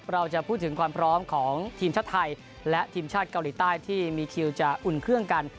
เราจะพูดถึงความพร้อมของทีมชาติไทยและทีมชาติเกาหลีใต้ที่มีคิวจะอุ่นเครื่องกัน